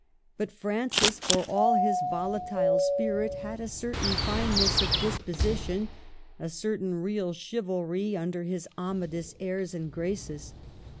But Francis, for all his volatile spirit, had a certain fineness of disposition, a certain real chivalry under his Amadis airs and graces.